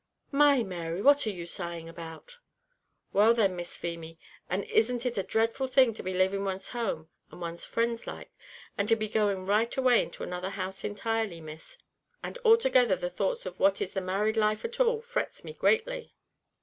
"My! Mary, what are you sighing about?" "Well then, Miss Feemy, and isn't it a dreadful thing to be laving one's home, and one's frinds like, and to be going right away into another house intirely, Miss; and altogether the thoughts of what is the married life at all frets me greatly."